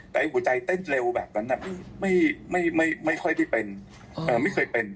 แต่หัวใจเต้นเร็วแบบนั้นไม่ค่อยได้เป็นไม่เคยเป็น